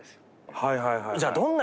はいはいはいはい。